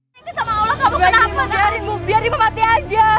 biarin mu biarin mu biarin mu mati aja